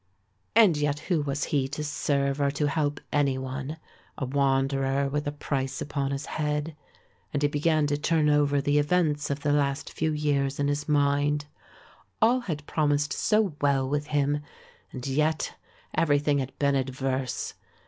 And yet who was he to serve or to help any one? a wanderer with a price upon his head; and he began to turn over the events of the last few years in his mind. All had promised so well with him and yet everything had been adverse.